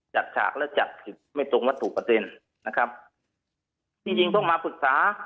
ฉากและจัดผิดไม่ตรงวัตถุเปอร์เซ็นต์นะครับที่จริงต้องมาปรึกษา